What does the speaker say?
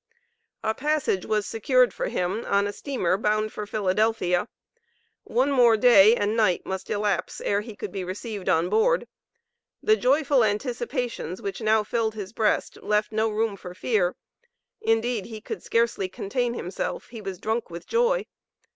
A passage was secured for him on a steamer bound for Philadelphia. One more day, and night must elapse, ere he could be received on board. The joyful anticipations which now filled his breast left no room for fear; indeed, he could scarcely contain himself; he was drunk with joy.